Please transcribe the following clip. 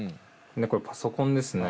でこれパソコンですね。